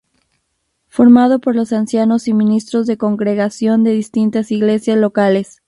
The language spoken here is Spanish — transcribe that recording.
Formado por los Ancianos y ministros de congregación de distintas iglesias locales.